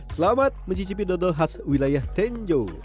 selamat mencicipi dodol khas wilayah tenjo